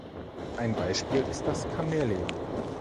Ein Beispiel ist das Chamäleon.